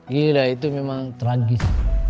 gila itu memang tragis